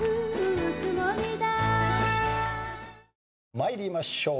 参りましょう。